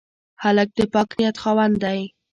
هلک د پاک نیت خاوند دی.